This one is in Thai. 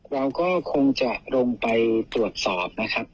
เราก็คงจะลงไปตรวจสอบนะครับ